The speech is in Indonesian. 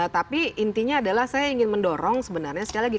tapi intinya adalah saya ingin mendorong sebenarnya sekali lagi